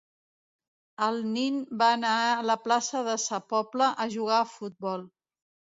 El nin va anar a la plaça de Sa Pobla a jugar a futbol